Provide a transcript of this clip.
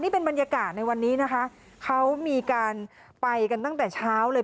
เป็นบรรยากาศในวันนี้นะคะเขามีการไปกันตั้งแต่เช้าเลย